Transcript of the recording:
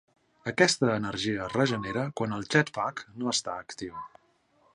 Aquesta energia es regenera quan el jetpack no està actiu.